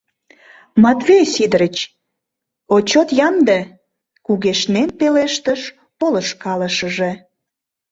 — Матвей Сидырыч, отчёт ямде! — кугешнен пелештыш полышкалышыже.